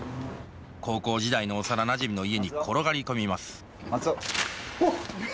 高校時代の幼なじみの家に転がり込みますうわっ！